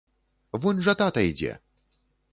Вунь жа тата ідзе!